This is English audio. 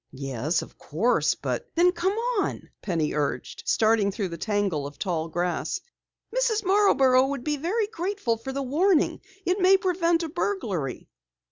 "Yes, of course but " "Then come on," Penny urged, starting through the tangle of tall grass. "Mrs. Marborough should be very grateful for the warning. It may prevent a burglary."